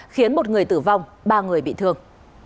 khiến một người tử vong ba người bị thương